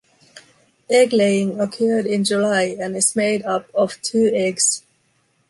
Egg laying occurred in July and is made up of two eggs.